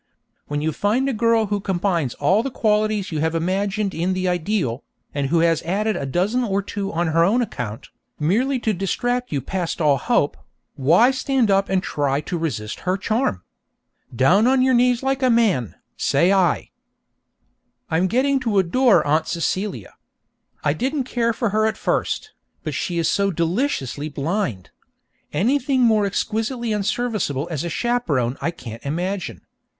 When you find a girl who combines all the qualities you have imagined in the ideal, and who has added a dozen or two on her own account, merely to distract you past all hope, why stand up and try to resist her charm? Down on your knees like a man, say I! I'm getting to adore Aunt Celia. I didn't care for her at first, but she is so deliciously blind. Anything more exquisitely unserviceable as a chaperon I can't imagine.